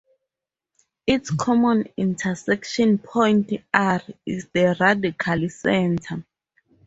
This common intersection point r is the radical center.